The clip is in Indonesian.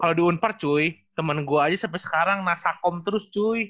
kalo di unpar cuy temen gua aja sampe sekarang nasakom terus cuy